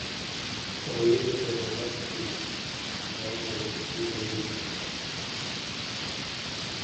طبعي ده چې د دولت د کمې شوې ونډې ځای نا دولتي ادارې نیسي.